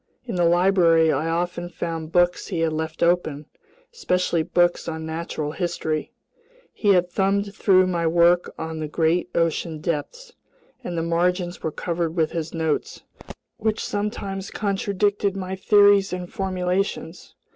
In the library I often found books he had left open, especially books on natural history. He had thumbed through my work on the great ocean depths, and the margins were covered with his notes, which sometimes contradicted my theories and formulations.